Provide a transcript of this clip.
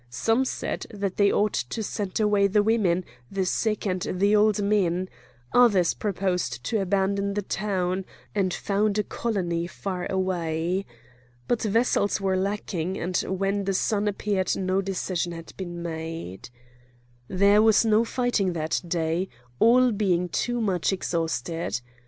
Some said that they ought to send away the women, the sick, and the old men; others proposed to abandon the town, and found a colony far away. But vessels were lacking, and when the sun appeared no decision had been made. There was no fighting that day, all being too much exhausted.